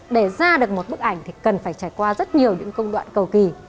để ra được một bức ảnh thì cần phải trải qua rất nhiều những công đoạn cầu kỳ